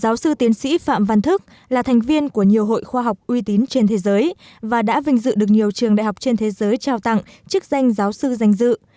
giáo sư tiến sĩ phạm văn thức là thành viên của nhiều hội khoa học uy tín trên thế giới và đã vinh dự được nhiều trường đại học trên thế giới trao tặng chức danh giáo sư danh dự